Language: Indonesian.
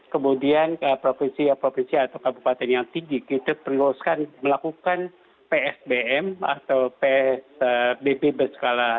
kemudian provinsi provinsi atau kabupaten yang tinggi kita perluaskan melakukan psbm atau psbb berskala